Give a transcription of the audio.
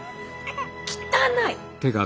汚い！